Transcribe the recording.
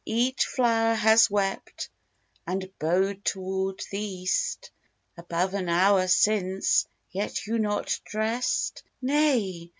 Each flower has wept, and bow'd toward the east, Above an hour since; yet you not drest, Nay!